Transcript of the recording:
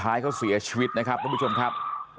ท้ายเขาเสียชีวิตนะครับทุกผู้ชมครับ